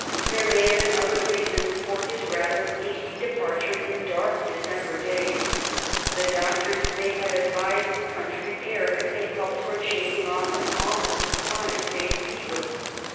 There may have been other reasons for his rather hasty departure in dark December days. The doctors may have advised country air as a help towards shaking off an almost chronic state of fever.